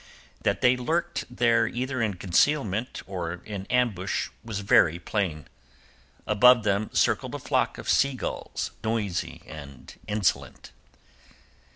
That they lurked there either in concealment or in ambush was very plain. Above them circled a flock of seagulls noisy and insolent.